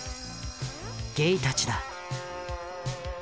ゲイたちだ。